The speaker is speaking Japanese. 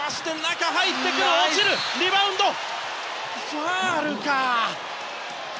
ファウルか。